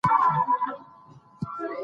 که مسواک وکاروې نو غاښونه به دې کلک شي.